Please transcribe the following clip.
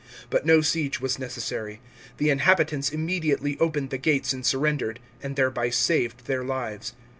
But no siege was necessary. The inhabitants im mediately opened the gates and surrendered, and thereby saved their lives.